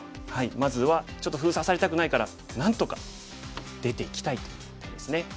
まずはちょっと封鎖されたくないからなんとか出ていきたいという手ですね。